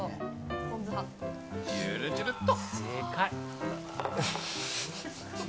ちゅるちゅるっと。